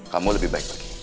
kamu lebih baik lagi